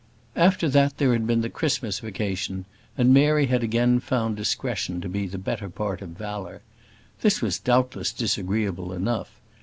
After that there had been the Christmas vacation, and Mary had again found discretion to be the better part of valour. This was doubtless disagreeable enough.